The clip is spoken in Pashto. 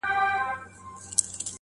دلته نو پوهنه داسې شي